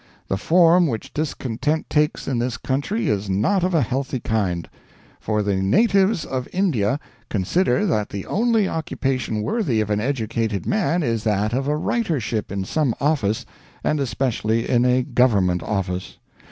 The form which discontent takes in this country is not of a healthy kind; for, the Natives of India consider that the only occupation worthy of an educated man is that of a writership in some office, and especially in a Government office.